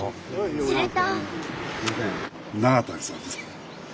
すると。